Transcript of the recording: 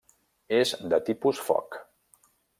És de tipus foc.